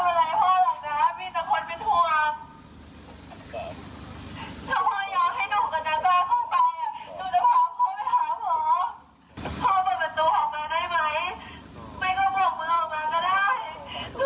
เฮ้แล้วต้องภารการ์ดครับแล้วเดี๋ยวเดียวเดี๋ยว